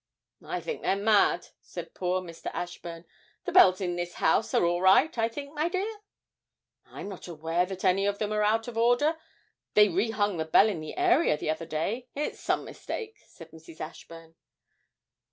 'I think they're mad,' said poor Mr. Ashburn; 'the bells in this house are all right, I think, my dear?' 'I'm not aware that any of them are out of order; they rehung the bell in the area the other day it's some mistake,' said Mrs. Ashburn.